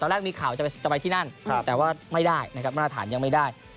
แรกมีข่าวจะไปที่นั่นแต่ว่าไม่ได้นะครับมาตรฐานยังไม่ได้